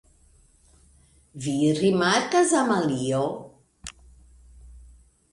Vi rimarkas, Amalio?